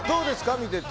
見てて。